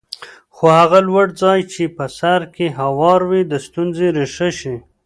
خو هغه لوړ ځای چې په سر کې هوار وي د ستونزې ریښه شي.